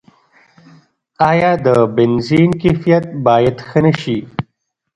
آیا د بنزین کیفیت باید ښه نشي؟